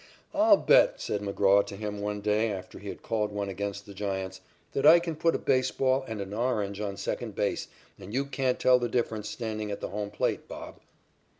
"I'll bet," said McGraw to him one day after he had called one against the Giants, "that I can put a baseball and an orange on second base, and you can't tell the difference standing at the home plate, Bob."